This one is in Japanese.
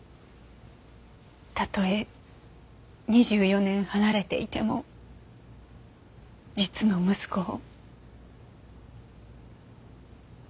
たとえ２４年離れていても実の息子を。